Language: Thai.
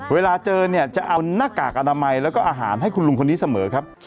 เวลาเจอเนี่ยจะเอาหน้ากากอนามัยแล้วก็อาหารให้คุณลุงคนนี้เสมอครับ